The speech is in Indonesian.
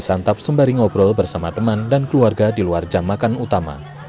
sebelak juga tetap sembari ngobrol bersama teman dan keluarga di luar jam makan utama